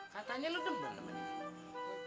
katanya lu demen sama dia